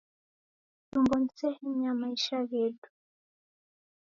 Chumbo ni sehemu ya maisha ghedu.